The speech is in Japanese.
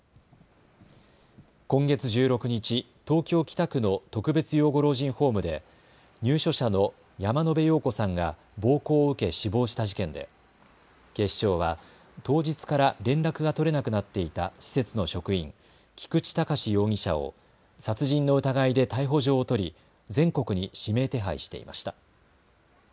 今月１６日、東京北区の特別養護養護老人ホームで入所者の山野邉陽子さんが暴行を受け死亡した事件で警視庁は当日から連絡が取れなくなっていた施設の職員、菊池隆容疑者を殺人の疑いで逮捕状を取り全国に指名手配していました。